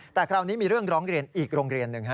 แต่คราวนี้มีเรื่องร้องเรียนอีกโรงเรียนหนึ่ง